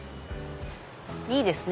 いいですね。